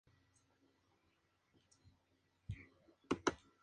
En el Wabash College dejó de usar el nombre de "Frank".